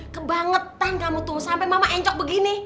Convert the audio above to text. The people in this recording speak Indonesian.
kebangetan kamu tunggu sampe mama encok begini